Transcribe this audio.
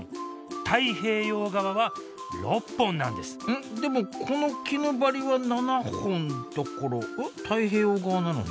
太平洋側は６本なんですでもこのキヌバリは７本だから太平洋側なのに？